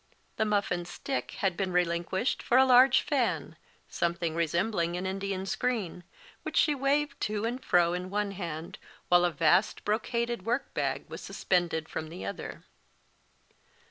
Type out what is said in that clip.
The muff and stick had been relinquished for a large fan, something resembling an Indian screen, which she waved to and fro in one hand, while a vast brocaded workbag was suspended from the other.